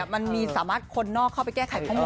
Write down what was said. มันมีสามารถคนนอกเข้าไปแก้ไขข้อมูล